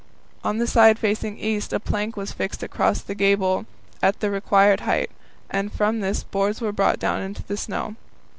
On the side facing east a plank was fixed across the gable at the required height, and from this boards were brought down to the snow.